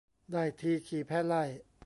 ได้ทีขี่แพะไล่